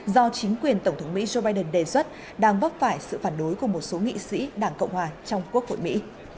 do chính quyền tổng thống mỹ joe biden đề xuất đang vấp phải sự phản đối của một số nghị sĩ đảng cộng hòa trong quốc hội mỹ